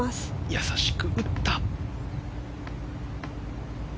優しく打った。